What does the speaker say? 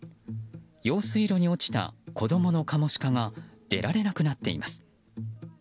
用水路に落ちた子供のカモシカが出られなくなっています。